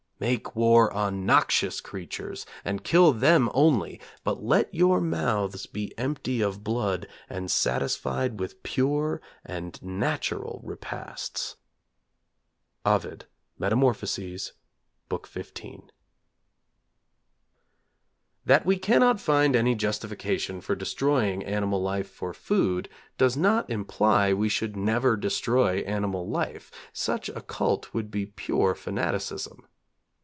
Make war on noxious creatures, and kill them only, But let your mouths be empty of blood, and satisfied with pure and natural repasts. OVID. Metam., lib. xv. That we cannot find any justification for destroying animal life for food does not imply we should never destroy animal life. Such a cult would be pure fanaticism.